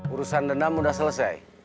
urusan dendam udah selesai